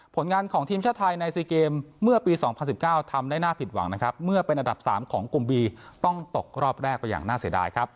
สวยหนึ่งว่ารายการที่มาก่อนใกล้เนี่ยนะครับ